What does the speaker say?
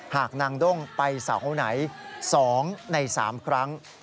หากนางด้งไปเสาไหน๒ใน๓ครั้ง